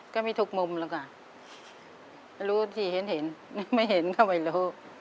ก็ไม่ทุกมุมหรอกอ่ะรู้ที่เห็นเห็นไม่เห็นก็ไม่รู้